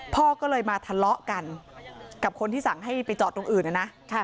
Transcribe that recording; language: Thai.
พ่อก็เลยมาทะเลาะกันกับคนที่สั่งให้ไปจอดตรงอื่นนะนะ